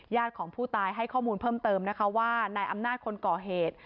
ของผู้ตายให้ข้อมูลเพิ่มเติมนะคะว่านายอำนาจคนก่อเหตุ